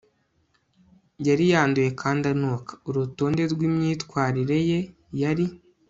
yari yanduye kandi anuka. urutonde rwimyitwarire ye yari